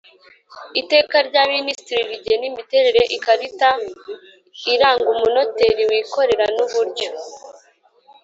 Iteka rya minisitiri rigena imiterere y ikarita iranga umunoteri wikorera n uburyo